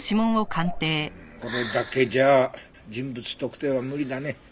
うーんこれだけじゃあ人物特定は無理だね。